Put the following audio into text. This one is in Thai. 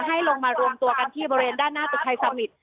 ให้ลงมารวมตัวกันที่บริเวณด้านหน้าตึกไทยสมิตร